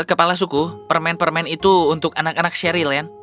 kepala suku permen permen itu untuk anak anak sherry land